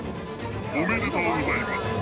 おめでとうございます。